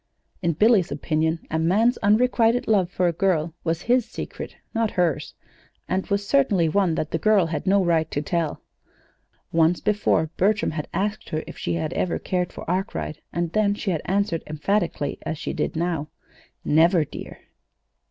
In Billy's opinion, a man's unrequited love for a girl was his secret, not hers, and was certainly one that the girl had no right to tell. Once before Bertram had asked her if she had ever cared for Arkwright, and then she had answered emphatically, as she did now: "Never, dear."